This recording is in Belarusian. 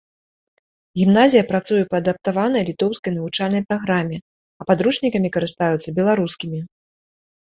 Гімназія працуе па адаптаванай літоўскай навучальнай праграме, а падручнікамі карыстаюцца беларускімі.